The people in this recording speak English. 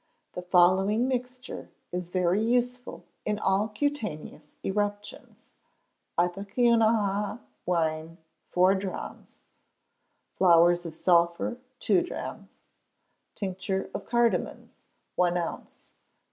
The following mixture is very useful in all cutaneous eruptions: Ipecacuanha wine, four drachms; flowers of sulphur, two drachms: tincture of cardamoms, one ounce.